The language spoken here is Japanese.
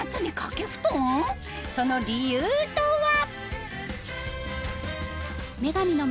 その理由とは？